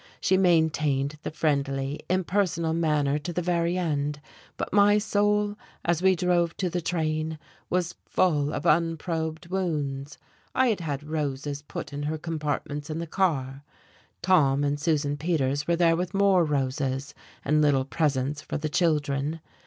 She maintained the friendly, impersonal manner to the very end; but my soul, as we drove to the train, was full of un probed wounds. I had had roses put in her compartments in the car; Tom and Susan Peters were there with more roses, and little presents for the children.